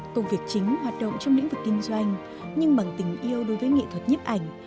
công việc chính hoạt động trong lĩnh vực kinh doanh nhưng bằng tình yêu đối với nghệ thuật nhếp ảnh